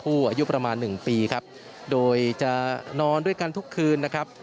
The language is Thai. และก็มีการกินยาละลายริ่มเลือดแล้วก็ยาละลายขายมันมาเลยตลอดครับ